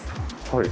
はい。